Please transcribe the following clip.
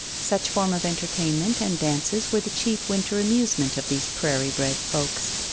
Such form of entertainment and dances were the chief winter amusement of these prairie bred folks.